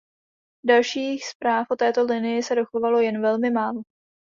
Dalších zpráv o této linii se dochovalo jen velmi málo.